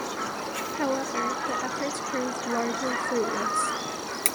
However, the efforts proved largely fruitless.